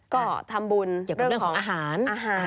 ก็ทำบุญเรื่องของอาหาร